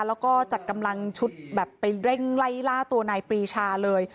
แล้วก็จัดกำลังชุดแบบไปเร่งไล่ล่าตัวนายปรีชาเลย